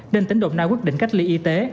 nên tỉnh đồng nai quyết định cách ly y tế